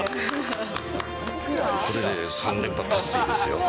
これで３連覇達成ですよ。